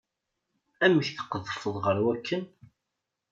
Amek tqedfeḍ ɣer wakken?